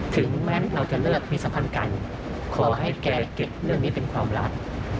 ถึงแม้เราจะเลิกมีสัมพันธ์กันขอให้แกเก็บเรื่องนี้เป็นความรัก